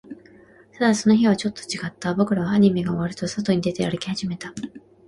ただ、その日はちょっと違った。僕らはアニメが終わると、外に出て、歩き始めた。